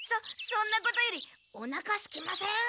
そんなことよりおなかすきません？